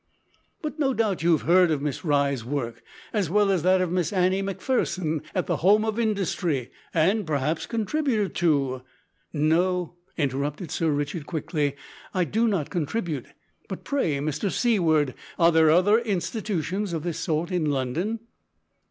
"But no doubt you have heard of Miss Rye's work, as well as that of Miss Annie Macpherson at the Home of Industry, and, perhaps, contributed to " "No," interrupted Sir Richard, quickly, "I do not contribute; but pray, Mr Seaward, are there other institutions of this sort in London?"